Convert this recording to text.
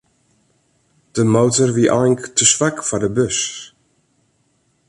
De motor wie eink te swak foar de bus.